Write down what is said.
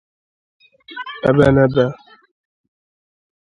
Ebenebe